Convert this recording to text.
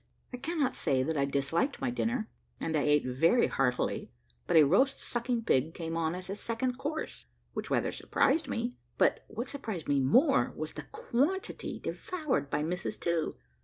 I cannot say that I disliked my dinner, and I ate very heartily; but a roast sucking pig came on as a second course, which rather surprised me: but what surprised me more, was the quantity devoured by Mrs To.